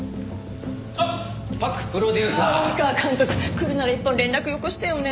来るなら一本連絡よこしてよね。